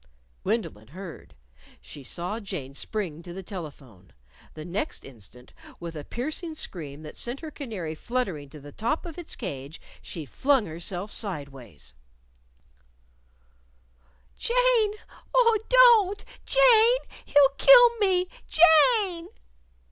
Gwendolyn heard. She saw Jane spring to the telephone. The next instant, with a piercing scream that sent her canary fluttering to the top of its cage, she flung herself sidewise. "Jane! Oh, don't! Jane! He'll kill me! _Jane!